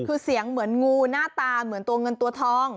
คือเสียงเหมือนงูหน้าตาเหมือนตัวเงินตัวทอง